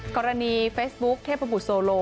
กรณีเฟซบุ๊คเทพบุตรโซโล